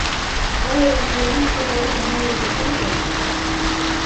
A obra xirou no noso país da man de Ibuprofeno teatro.